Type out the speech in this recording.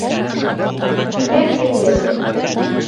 Тиҙәк еҫе!